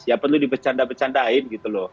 ya perlu dipercanda bercandain gitu loh